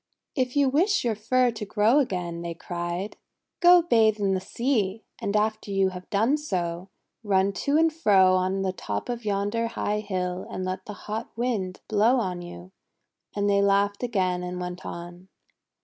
"If you wish your fur to grow again," they cried, :<go bathe in the sea; and after you have done so, run to and fro on the top of yonder high hill and let the hot Wind blow on you!'1 And they laughed again and went on.